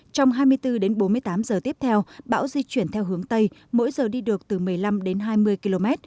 trong hai mươi bốn đến bốn mươi tám giờ tiếp theo bão di chuyển theo hướng tây mỗi giờ đi được từ một mươi năm đến hai mươi km